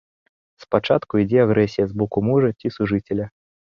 Спачатку ідзе агрэсія з боку мужа ці сужыцеля.